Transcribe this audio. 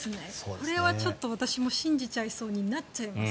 これはちょっと私も信じちゃいそうになっちゃいます。